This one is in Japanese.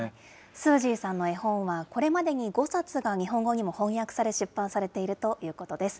スージーさんの絵本は、これまでに５冊が日本語にも翻訳され出版されているということです。